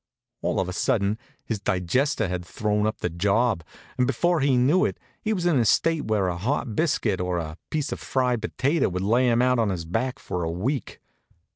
All of a sudden his digester had thrown up the job, and before he knew it he was in a state where a hot biscuit or a piece of fried potato would lay him out on his back for a week.